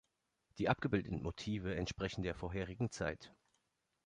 Die abgebildeten Motive entsprechen der vorherigen Zeit.